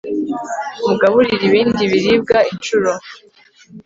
mugaburire ibindi biribwa incuro